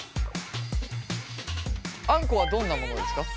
あんこはどんなモノですか？